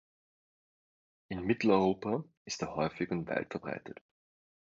In Mitteleuropa ist er häufig und weit verbreitet.